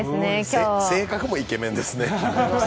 性格もイケメンですね。